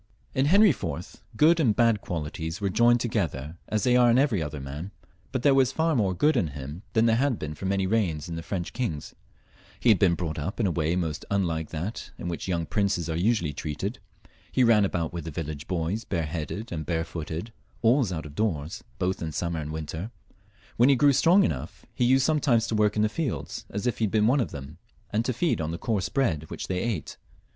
In Henry IV. good and bad qualities were joined together as they are in eveiy other man, but there was far more good in him than there had been for many reigns in the French kings. He had been brought up in a way most unlike that in which young princes are usually treated. He ran about with the viUage boys bareheaded and barefooted, always out of doors,, both in summer and winter ; when he grew strong enough he used sometimes to work in the fields as if he had been one of them, and to feed on the coarse bread which they ate.